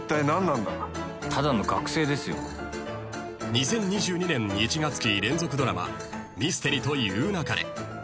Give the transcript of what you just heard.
［２０２２年１月期連続ドラマ『ミステリと言う勿れ』］